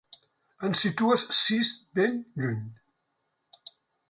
En situes sis ben lluny.